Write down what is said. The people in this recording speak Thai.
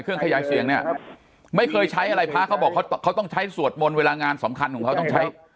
เครื่องขยายเสียงเนี่ยไม่เคยใช้อะไรพระเขาบอกเขาต้องใช้สวดมนต์เวลางานสำคัญของเขาต้องใช้